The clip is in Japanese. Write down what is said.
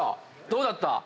どうだった？